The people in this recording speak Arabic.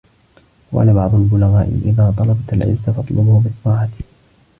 وَقَالَ بَعْضُ الْبُلَغَاءِ إذَا طَلَبْتَ الْعِزَّ فَاطْلُبْهُ بِالطَّاعَةِ